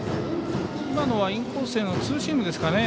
今のはインコースへのツーシームですかね。